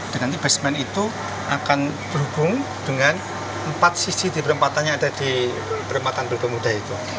dan nanti basement itu akan berhubung dengan empat sisi di perempatannya ada di perempatan balai pemuda itu